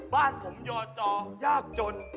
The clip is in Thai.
บ้านผมยอจอยากจน